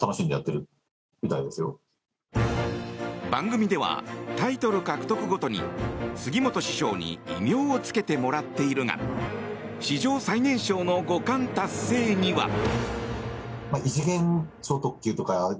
番組では、タイトル獲得ごとに杉本師匠に異名をつけてもらっているが史上最年少の五冠達成には。